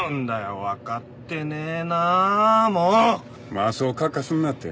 まあそうカッカすんなって。